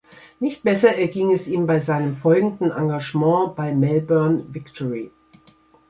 Nicht besser erging es ihm bei seinem folgenden Engagement bei Melbourne Victory.